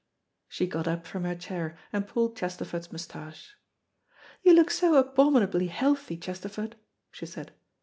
'" She got up from her chair, and pulled Chesterford's moustache. "You look so abominably healthy, Chesterford," she said.